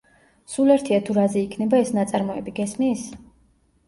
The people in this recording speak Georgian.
სულ ერთია, თუ რაზე იქნება ეს ნაწარმოები, გესმის?